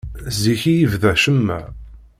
Zik i yebda ccemma.